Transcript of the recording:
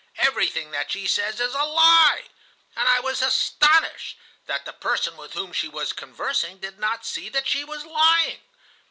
Everything that she says is a lie!' And I was astonished that the person with whom she was conversing did not see that she was lying.